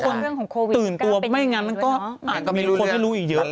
ทำให้คนตื่นตัวไม่อย่างนั้นมันก็อาจมีคนที่รู้อีกเยอะ